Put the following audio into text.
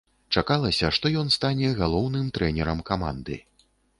Чакалася, што ён стане галоўным трэнерам каманды.